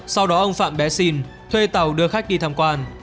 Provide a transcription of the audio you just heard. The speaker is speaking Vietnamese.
sau đó ông phạm bé xin thuê tàu đưa khách đi tham quan